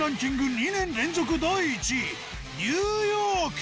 ２年連続第１位、ニューヨーク。